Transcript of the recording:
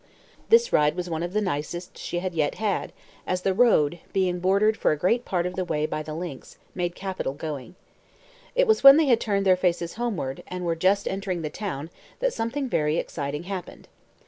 This ride was one of the nicest she had yet had, as the road, being bordered for a great part of the way by the links, made capital going. It was when they had turned their faces homeward, and were just entering the town, that something very exciting happened.